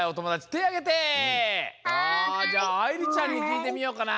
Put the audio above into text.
じゃああいりちゃんにきいてみようかな。